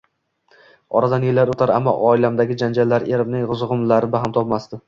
Oradan yillar o`tar, ammo oilamdagi janjallar, erimning zug`umlari barham topmasdi